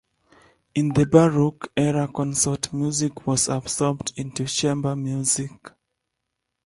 In the Baroque era consort music was absorbed into chamber music.